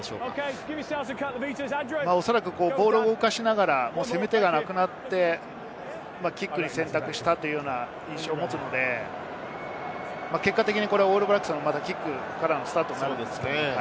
おそらくボールを動かしながら、攻め手がなくなって、キックを選択したという印象を持つので、結果的にオールブラックスのキックからのスタートになるんです。